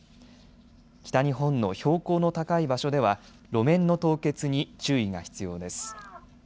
北日本の標高の高い場所では路面の凍結に注意が必要です。